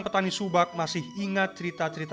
pertama karena politik